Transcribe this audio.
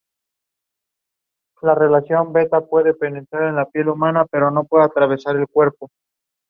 It is fighting for minority people facing prosecution at the hands of government.